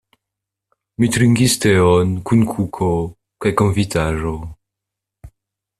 Mi trinkis teon kun kuko kaj konfitaĵo.